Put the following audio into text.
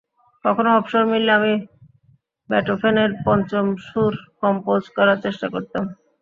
কখনো অবসর মিললে আমি বেটোফেনের পঞ্চম সুর কম্পোজ করার চেষ্টা করতাম।